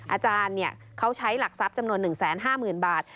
อาจารย์เขาใช้หลักทรัพย์จำนวน๑๕๐๐๐บาท